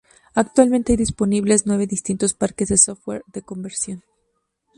Actualmente hay disponibles nueve distintos paquetes de software de conversión.